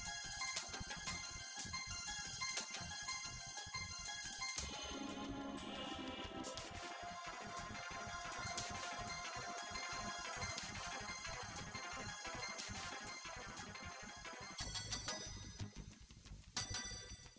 ayah nggak bisa decide dulu di sini